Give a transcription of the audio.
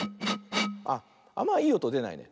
あっあんまいいおとでないね。